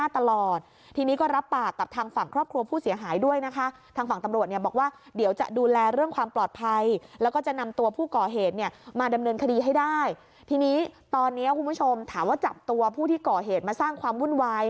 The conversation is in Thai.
ทีนี้ตอนนี้คุณผู้ชมถามว่าจับตัวผู้ที่ก่อเหตุมาสร้างความวุ่นวาย